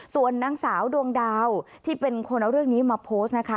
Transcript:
ส่วนนางสาวดวงดาวที่เป็นคนเอาเรื่องนี้มาโพสต์นะคะ